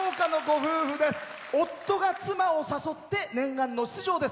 夫が妻を誘って念願の出場です。